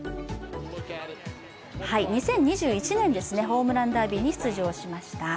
２０２１年、ホームランダービーに出場しました。